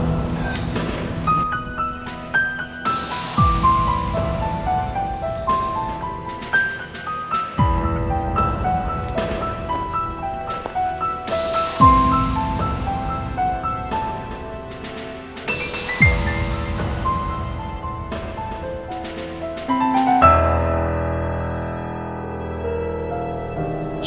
assalamu'alaikum rahmatullahi wabarakatuh